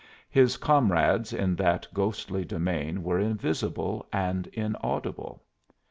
His comrades in that ghostly domain were invisible and inaudible.